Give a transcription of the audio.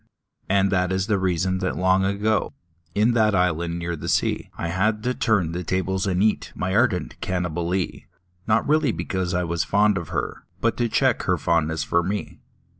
And that is the reason that long ago. In that island near the sea, I had to turn the tables and eat My ardent Cannibalee — Not really because I was fond of her, But to check her fondness for me.